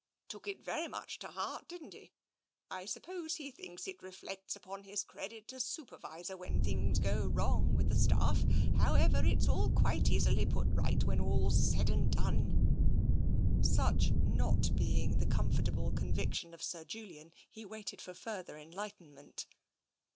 Took it very much to heart, didn't he? I suppose he thinks it reflects upon his credit as Supervisor, when things go wrong with the staff. However, it's all quite easily put right, when all's said and done." (t TENSION 253 Such not being the comfortable conviction of Sir Julian, he waited for further enlightenment.